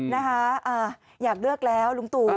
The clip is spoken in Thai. นะคะอยากเลือกแล้วลุงตู่